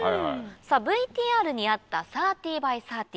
ＶＴＲにあった「３０ｂｙ３０」。